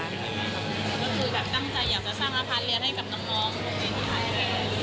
ก็คือแบบตั้งใจอยากจะสร้างอาคารเรียนให้กับน้องของจีนค่ะ